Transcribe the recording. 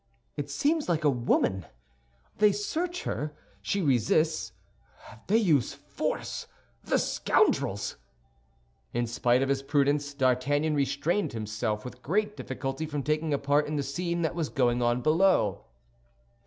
"It seems like a woman! They search her; she resists; they use force—the scoundrels!" In spite of his prudence, D'Artagnan restrained himself with great difficulty from taking a part in the scene that was going on below.